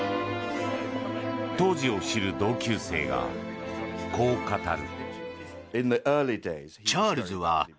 当時を知る同級生がこう語る。